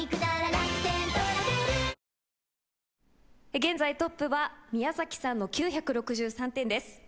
現在トップは宮崎さんの９６３点です。